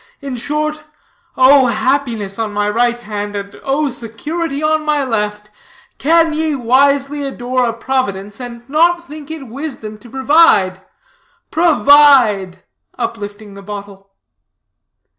In short: Oh, Happiness on my right hand, and oh, Security on my left, can ye wisely adore a Providence, and not think it wisdom to provide? Provide!" (Uplifting the bottle.)